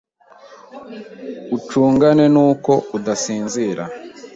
ucungane n’uko udashiriza,